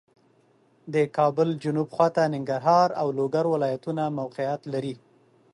د کابل جنوب خواته ننګرهار او لوګر ولایتونه موقعیت لري